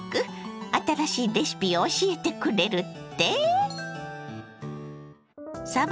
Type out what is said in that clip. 新しいレシピを教えてくれるって？